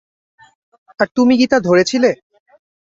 আর তুমি কি তা ধরেছিলে?